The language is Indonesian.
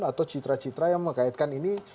atau citra citra yang mengkaitkan ini